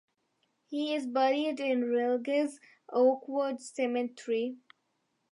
He is buried in Raleigh's Oakwood Cemetery.